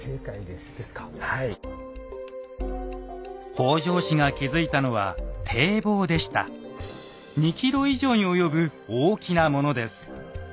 北条氏が築いたのは２ｋｍ以上に及ぶ大きなものです。